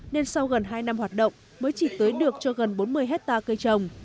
nên sau gần hai năm hoạt động mới chỉ tưới được cho gần bốn mươi hectare cây trồng